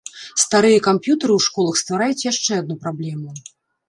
Старыя камп'ютары ў школах ствараюць яшчэ адну праблему.